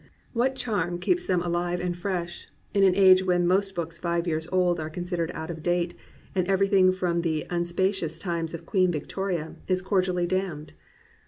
What charm keeps them alive and fresh, in an age when most books five years old are considered out of date and everything from the un spacious times of Queen Victoria is cordially damned.''